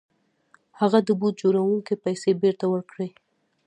هغه د بوټ جوړوونکي پيسې بېرته ورکړې.